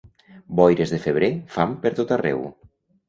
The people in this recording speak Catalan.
Boires de febrer, fam per tot arreu.